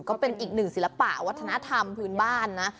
ก็เป็นอีกหนึ่งศิลปะวัฒนธรรมพื้นบ้านนะ